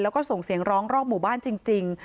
แล้วก็ส่งเสียงร้องรอบหมู่บ้านจริง